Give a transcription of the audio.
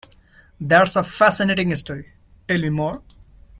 That's a fascinating story, tell me more!.